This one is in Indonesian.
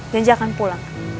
janji akan pulang